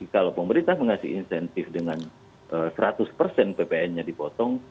kalau pemerintah mengasih insentif dengan seratus persen ppn nya dipotong